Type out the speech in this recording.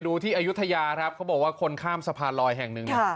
ดูที่อายุทยาครับเค้าบอกว่าคนข้ามสะพานลอยแห่งนึง